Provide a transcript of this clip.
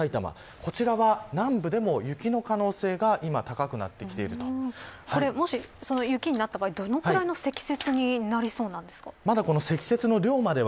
こちらは南部でも雪の可能性が出もし雪になった場合どれぐらいの積雪になりそうなんですか。